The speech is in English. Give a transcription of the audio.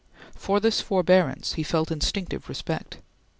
For this forbearance he felt instinctive respect.